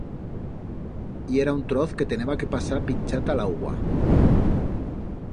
Yera un troz que teneba que pasar pinchata l'augua.